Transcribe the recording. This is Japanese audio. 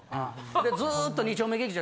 でずっと２丁目劇場。